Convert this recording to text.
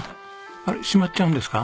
あれ？しまっちゃうんですか？